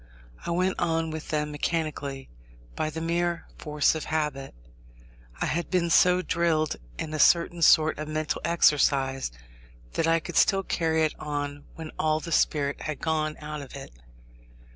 I went on with them mechanically, by the mere force of habit. I had been so drilled in a certain sort of mental exercise, that I could still carry it on when all the spirit had gone out of it.